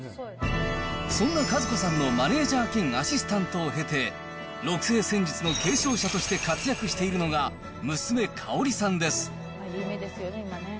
そんな数子さんのマネージャー兼アシスタントを経て、六星占術の継承者として活躍しているのが、娘、かおりさんです。